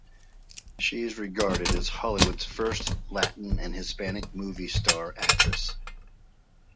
She is regarded as Hollywood's first Latin and Hispanic movie star actress.